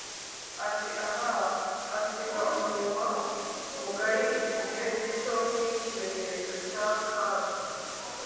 ati 'ah,' asiga umunwa mugari igihe gito nk'ikimenyetso cy'akaga